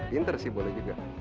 pinter sih boleh juga